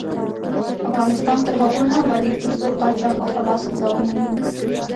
افغانستان تر هغو نه ابادیږي، ترڅو قاچاق او غلا سزا ونه ويني.